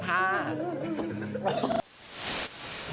ก็ไปฟังที่มาที่ไปทั้งหมดนะคะ